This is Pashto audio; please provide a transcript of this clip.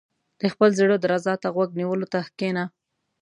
• د خپل زړۀ درزا ته غوږ نیولو ته کښېنه.